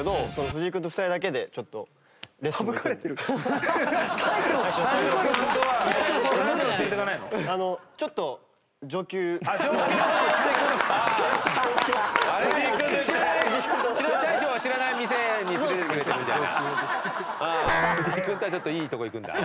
藤井君とはちょっといいとこ行くんだ。